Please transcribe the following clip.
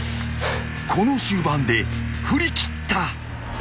［この終盤で振り切った］